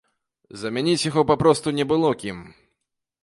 Замяніць яго папросту не было кім.